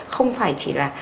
không phải chỉ là